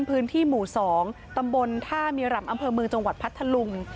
พื้นที่หมู่๒ตำบลท่ามีรำอำเภอเมืองจังหวัดพัทธลุง